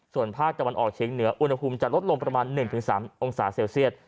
ส่วนภาคตะวันออกเฉียงเหนืออุณหภูมิจะลดลงประมาณ๑๓องศาเซลเซียต